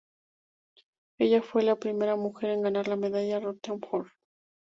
Ella fue la primera mujer en ganar la Medalla Rutherford.